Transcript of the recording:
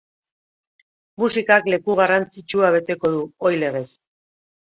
Musikak leku garrantzitsua beteko du, ohi legez.